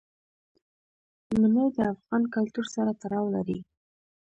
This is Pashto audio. منی د افغان کلتور سره تړاو لري.